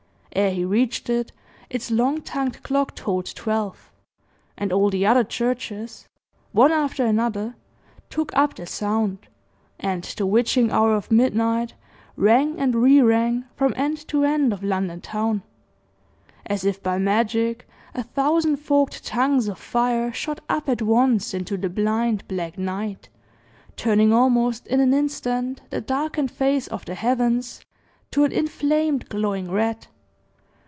Ere he reached it, its long tongued clock tolled twelve, and all the other churches, one after another, took up the sound, and the witching hour of midnight rang and rerang from end to end of London town. As if by magic, a thousand forked tongues of fire shot up at once into the blind, black night, turning almost in an instant the darkened face of the heavens to an inflamed, glowing red.